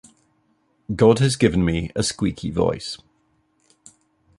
God has given me a squeaky voice.